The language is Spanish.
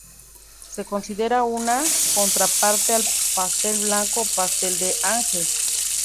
Se considera una contraparte al pastel blanco o pastel de ángel.